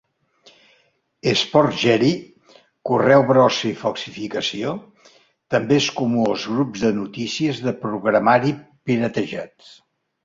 Sporgery (correu brossa i falsificació) també és comú als grups de notícies de programari piratejat.